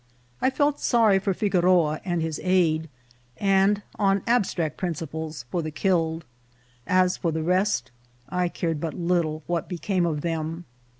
I felt sorry for Figoroa and his aid, and, on abstract principles, for the killed. As for the rest, I cared but little what became of them.